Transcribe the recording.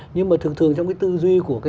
nhưng mà thường thường trong cái tư duy của